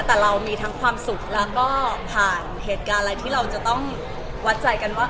แต่เรามีทั้งความสุขแล้วก็ผ่านเหตุการณ์อะไรที่เราจะต้องวัดใจกันว่า